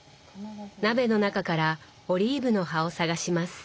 鍋の中からオリーブの葉を探します。